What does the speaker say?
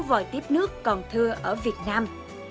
vòi tiếp nước còn thưa ở việt nam